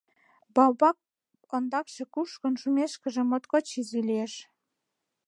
— Баобаб ондакше, кушкын шумешкыже, моткоч изи лиеш.